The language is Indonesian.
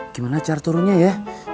gimana cara turunnya ya